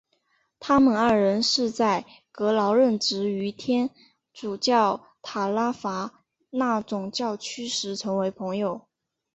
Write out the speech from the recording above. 他们二人是在格劳任职于天主教塔拉戈纳总教区时成为朋友。